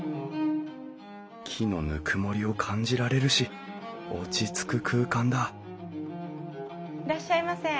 木のぬくもりを感じられるし落ち着く空間だいらっしゃいませ。